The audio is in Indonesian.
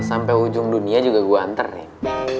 sampai ujung dunia juga gua anter ya